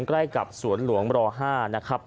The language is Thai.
ใกล้กับสวนหลวงร๕นะครับ